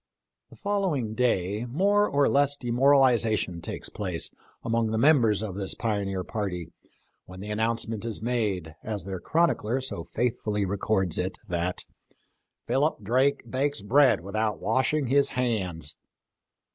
The following day more or less demoralization takes place among the members of this pioneer party when the announcement is made, as their chronicler so faithfully records it, that " Philip Drake Bakes bread without washing his hands."